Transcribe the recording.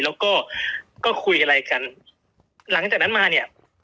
แล้วก็ก็คุยอะไรกันหลังจากนั้นมาเนี่ย